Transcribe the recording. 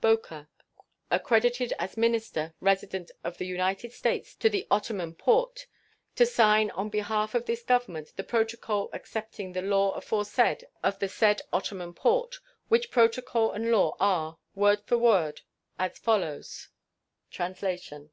Boker, accredited as minister resident of the United States to the Ottoman Porte, to sign on behalf of this Government the protocol accepting the law aforesaid of the said Ottoman Porte, which protocol and law are, word for word, as follows: [Translation.